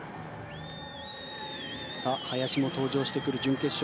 林も登場してくる準決勝